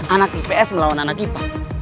anak ips melawan anak ipa